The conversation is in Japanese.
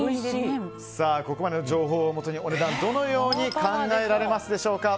ここまでの情報をもとにお値段どのように考えられますでしょうか。